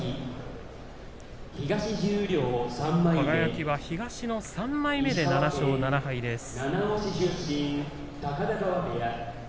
輝は東の３枚目で７勝７敗です。